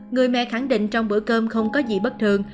người mẹ khẳng định trong bữa cơm không có gì bất thường